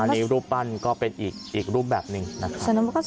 อันนี้รูปปั้นก็เป็นอีกรูปแบบหนึ่งนะครับ